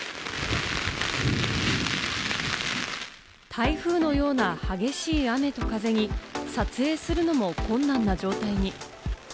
台風のような激しい雨と風に撮影するのも困難な状態に。